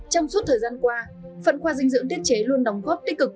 trong suốt thời gian qua phận khoa dinh dưỡng tiết chế luôn đóng góp tích cực